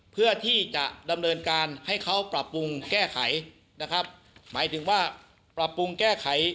เพื่อที่จะดำเนินการให้เขาปรับปรุงแก้ไข